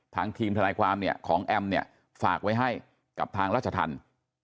ทางทีมทนายความเนี่ยของแอมเนี่ยฝากไว้ให้กับทางราชธรรม